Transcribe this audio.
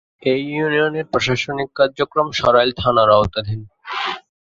এ ইউনিয়নের প্রশাসনিক কার্যক্রম সরাইল থানার আওতাধীন।